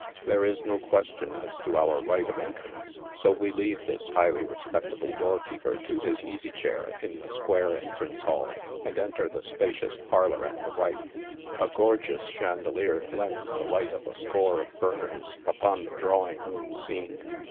There is no question as to our right of en trance, so we leave this highly respectable door keeper to his easy chair in the square entrance hall, and enter the spacious parlor at the right. A gorgeous chandelier lends the light of a score of burn ers upon the drawing room scene.